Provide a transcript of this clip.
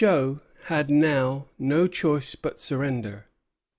Pouchot had now no choice but surrender.